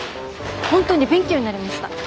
本当に勉強になりました。